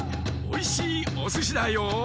おいしいおすしだよ。